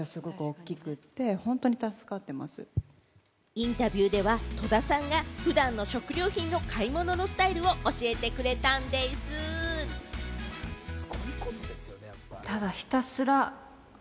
インタビューでは、戸田さんが普段の食料品の買い物のスタイルを教えてくれたんでぃす。